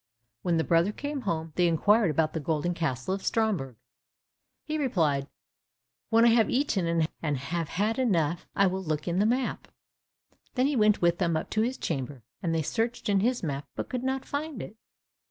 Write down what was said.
When the brother came home they inquired about the golden castle of Stromberg. He replied, "When I have eaten and have had enough, I will look in the map." Then he went with them up to his chamber, and they searched in his map, but could not find it.